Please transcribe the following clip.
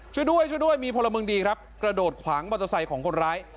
ช่วยด้วยช่วยด้วยมีพลเมืองดีครับกระโดดขวางมอเตอร์ไซค์ของคนร้าย